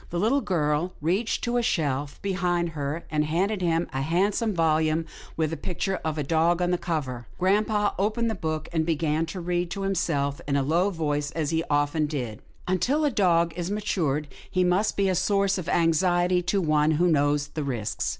The little girl reached to a shelf behind her and handed him a handsome volume with the picture of a dog on the cover. Grampa opened the book and began to read to himself in a low voice as he often did. "* Until a young dog is matured, he must be a source of anxiety to one who knows the risks.